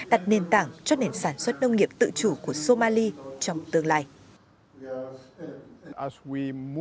đặt nền tảng cho nền sản xuất nông nghiệp tự chủ của somali trong tương lai